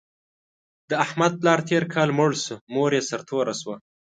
د احمد پلار تېر کال مړ شو، مور یې سرتوره شوه.